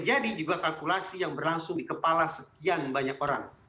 jadi ini adalah kalkulasi yang berlangsung di kepala sekian banyak orang